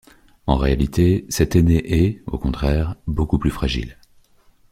En réalité, cet aîné est, au contraire, beaucoup plus fragile.